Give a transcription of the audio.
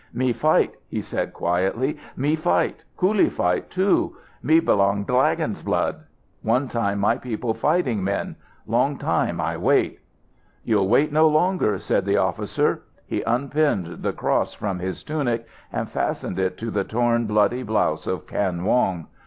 "Me fight," he said quietly "me fight, coolie fight, too. Me belong Dlagon's blood. One time my people fighting men; long time I wait." "You'll wait no longer," said the officer. He unpinned the cross from his tunic and fastened it to the torn, bloody blouse of Kan Wong.